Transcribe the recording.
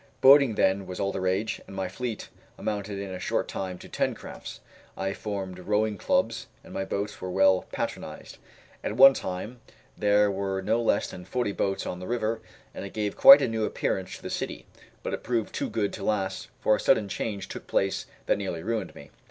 Boating then was all the rage, and my fleet amounted in a short time to ten crafts. I formed rowing clubs, and my boats were well patronised. At one time there were no less than forty boats on the river, and it gave quite a new appearance to the city; but it proved too good to last, for a sudden change took place that nearly ruined me.